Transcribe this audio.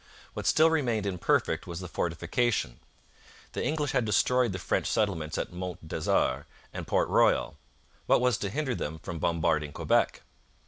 What still remained imperfect was the fortification. The English had destroyed the French settlements at Mount Desert and Port Royal. What was to hinder them from bombarding Quebec?